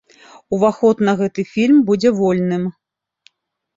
Уваход на гэты фільм будзе вольным.